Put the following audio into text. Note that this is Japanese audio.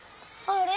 あれ？